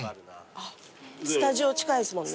スタジオ近いですもんね。